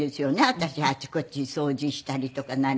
私あちこち掃除したりとか。